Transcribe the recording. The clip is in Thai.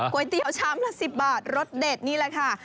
ก๋วยเตี๋ยวชามละ๑๐บาทรสเด็ดนี่แหละค่ะ